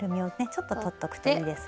ちょっととっとくといいです。